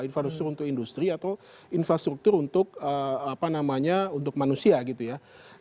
infrastruktur untuk industri atau infrastruktur untuk apa namanya untuk manusia gitu ya